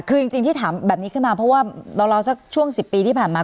คือจริงที่ถามแบบนี้ขึ้นมาเพราะว่าราวสักช่วง๑๐ปีที่ผ่านมา